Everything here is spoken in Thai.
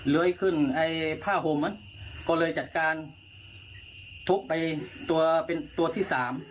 เลื้อยขึ้นผ้าห่มก็เลยจัดการทุกข์ไปเป็นตัวที่๓